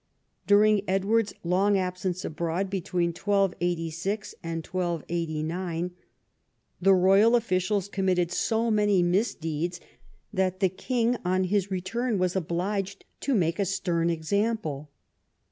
During Edward's long absence abroad, between 1286 and 1289, the royal officials committed so many misdeeds that the king on his return Avas obliged to make a stern example.